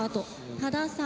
多田さん。